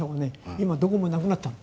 今どこもなくなったの。